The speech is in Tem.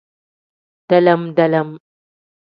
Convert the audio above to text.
Dalam-dalam.